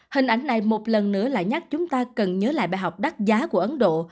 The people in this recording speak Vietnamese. hình ảnh này một lần nữa lại nhắc chúng ta cần nhớ lại bài học đắt giá của ấn độ